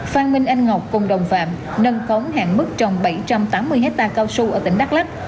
phan minh anh ngọc cùng đồng phạm nâng khống hạn mức trồng bảy trăm tám mươi hectare cao su ở tỉnh đắk lắc